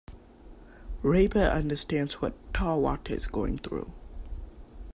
Rayber understands what Tarwater is going through.